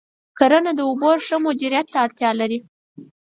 کرنه د اوبو د ښه مدیریت ته اړتیا لري.